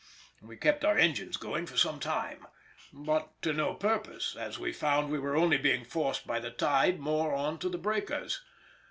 We kept our engines going for some time—but to no purpose, as we found we were only being forced by the tide more on to the breakers.